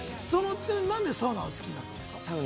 なんでサウナが好きになったんですか？